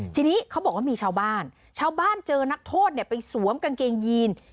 ทีนี้เขาบอกว่ามีชาวบ้านชาวบ้านเจอนักโทษเนี่ยไปสวมกางเกงยีน